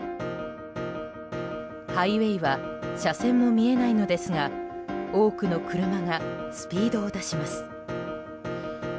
ハイウェーは車線が見えないのですが多くの車がスピードを出します。